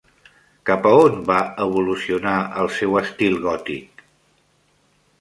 Cap on va evolucionar el seu estil gòtic?